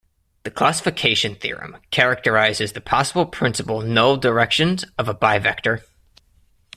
The classification theorem characterizes the possible principal null directions of a bivector.